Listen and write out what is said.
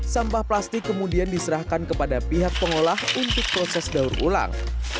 sampah plastik kemudian diserahkan kepada pihak pengolah untuk proses daur ulang